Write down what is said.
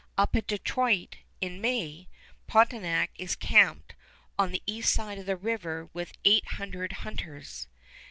Up at Detroit, in May, Pontiac is camped on the east side of the river with eight hundred hunters.